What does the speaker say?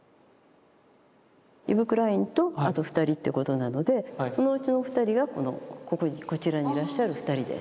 イヴ・クラインとあと２人ってことなのでそのうちの２人がこちらにいらっしゃる２人です。